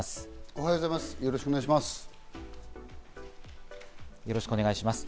おはようございます。